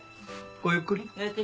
ごゆっくり。